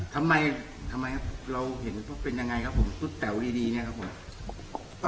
ทำไมทำไมครับเราเห็นว่าเป็นยังไงครับผมชุดแต๋วดีเนี่ยครับผม